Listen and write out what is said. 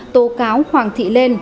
tố cáo hoàng thị lên